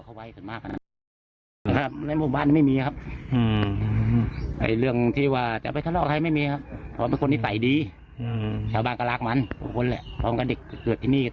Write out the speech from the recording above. อ้าวเขาเป็นคนที่ค้าขายเนี่ย